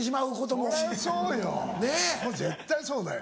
もう絶対そうだよ。